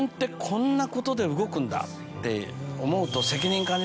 って思うと。